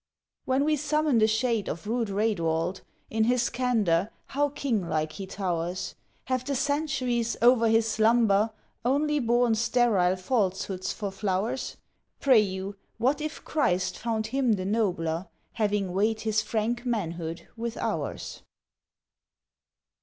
When we summon the shade of rude Raedwald, in his candor how king like he towers! Have the centuries, over his slumber, only borne sterile falsehoods for flowers? Pray you, what if Christ found him the nobler, having weighed his frank manhood with ours?